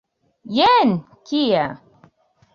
Jen kia!